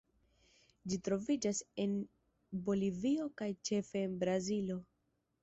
Ĝi troviĝas iom en Bolivio kaj ĉefe en Brazilo.